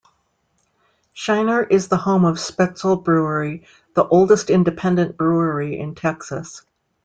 Shiner is the home of the Spoetzl Brewery, the oldest independent brewery in Texas.